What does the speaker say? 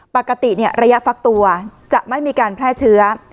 ปกติระยะฟักตัวจะไม่มีการแพร่เชื้อ